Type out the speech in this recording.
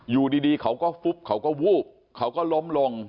อยู่ดีเขาก็ฟุบเขาก็วูบเขาก็ล้มลง